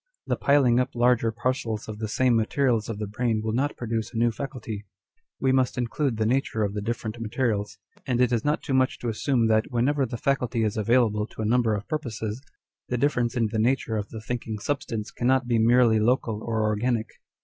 The piling up larger parcels of the same materials of the brain will not produce a new faculty : we must include the nature of the different materials, and it is not too much to assume that whenever 'the faculty is available to a number of purposes, the difference in the nature of the thinking substance cannot be merely local or organic.